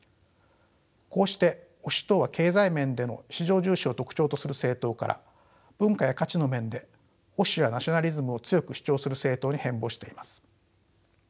こうして保守党は経済面での市場重視を特徴とする政党から文化や価値の面で保守やナショナリズムを強く主張する政党に変貌しています。